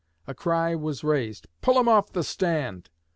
A cry was raised, 'Pull him off the stand!'